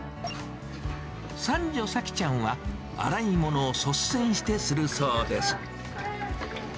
三女、幸ちゃんは洗い物を率先してするそうです。